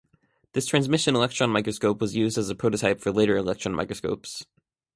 This transmission electron microscope was used as a prototype for later electron microscopes.